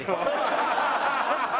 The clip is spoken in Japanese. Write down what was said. ハハハハ！